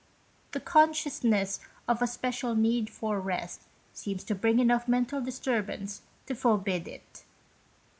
The consciousness of a special need for rest seems to bring enough mental disturb ance to forbid it.